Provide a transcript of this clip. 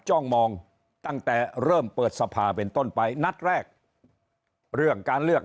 จ้องมองตั้งแต่เริ่มเปิดสภาเป็นต้นไปนัดแรกเรื่องการเลือก